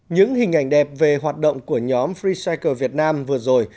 những hình ảnh đẹp về hoạt động của nhóm freecycle việt nam vừa rồi